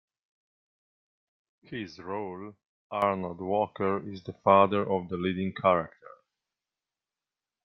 His role, Arnold Walker, is the father of the leading character.